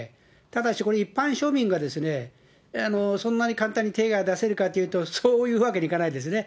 ただし、これ、一般庶民がそんなに簡単に手が出せるかというと、そういうわけにいかないですね。